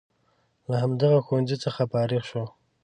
له همدغه ښوونځي څخه فارغ شو.